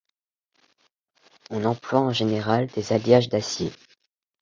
On emploie en général des alliages d'acier.